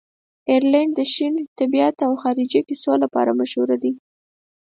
آیرلنډ د شین طبیعت او تاریخي کیسو لپاره مشهوره دی.